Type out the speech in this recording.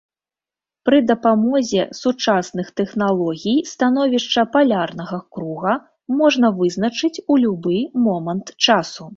Пры дапамозе сучасных тэхналогій становішча палярнага круга можна вызначыць у любы момант часу.